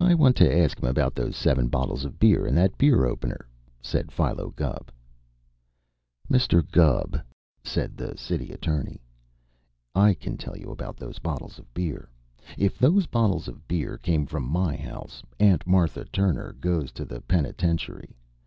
"I want to ask him about those seven bottles of beer and that beer opener," said Philo Gubb. "Mr. Gubb," said the City Attorney, "I can tell you about those bottles of beer. If those bottles of beer came from my house Aunt Martha Turner goes to the penitentiary.